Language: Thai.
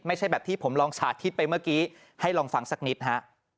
ไม่ใช่แบบที่ผมลองสาธิตไปเมื่อกี้ให้ลองฟังสักนิดฮะ